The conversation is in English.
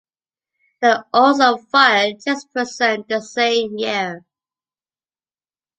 They also fired Jesperson the same year.